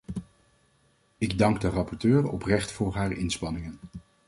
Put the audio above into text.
Ik dank de rapporteur oprecht voor haar inspanningen.